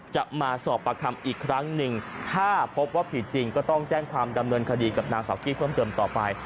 จะมาสอบประคำอีกครั้งหนึ่งถ้าพบว่าผิดจริงก็ต้องแจ้งความดำเนินคดีกับนางสาวกี้เพิ่มเติมต่อไป